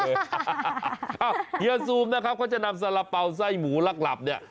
เฮียซูมนะครับเขาจะนำสาระเป๋าไส้หมูหลักเนี่ย